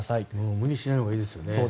無理しないほうがいいですね。